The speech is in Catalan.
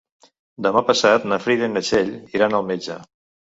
Demà passat na Frida i na Txell iran al metge.